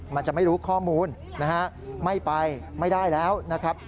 มันจะไม่รู้ข้อมูลนะฮะไม่ไปไม่ได้แล้วนะครับ